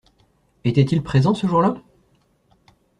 Était-il présent ce jour-là?